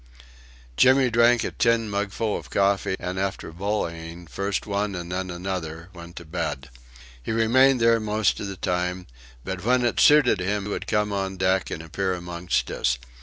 Jimmy drank a tin mugful of coffee, and, after bullying first one and then another, went to bed. He remained there most of the time, but when it suited him would come on deck and appear amongst us.